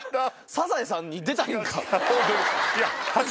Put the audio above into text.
『サザエさん』に出たいんか